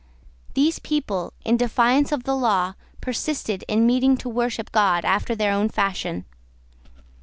These people, in defiance of the law, persisted in meeting to worship God after their own fashion.